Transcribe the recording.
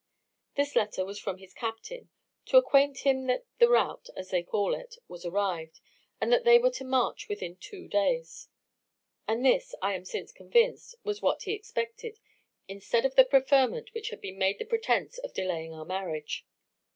"This letter was from his captain, to acquaint him that the rout, as they call it, was arrived, and that they were to march within two days. And this, I am since convinced, was what he expected, instead of the preferment which had been made the pretence of delaying our marriage.